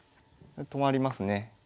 止まりますね。